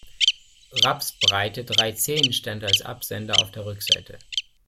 Rapsbreite dreizehn stand als Absender auf der Rückseite.